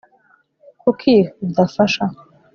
kuki udafasha